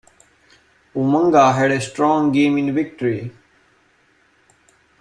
Umaga had a strong game in a victory.